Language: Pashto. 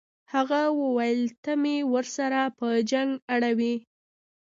هغه وویل ته مې ورسره په جنګ اړوې.